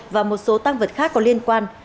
và một số tăng vật khác có liên quan